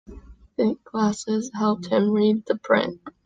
Thick glasses helped him read the print.